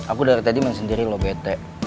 aku dari tadi main sendiri lo bete